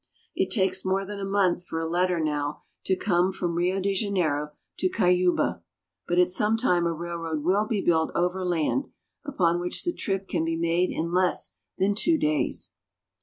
It takes more than a month for a letter now to come from MATTO GROSSO. 247 Cuyaba. Rio de Janeiro to Cuyaba, but at some time a railroad will be built overland, upon which the trip can be made in less than two days.